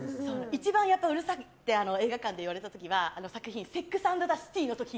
一番うるさいと映画館で言われた時は作品、「セックスアンドザシティー」の時。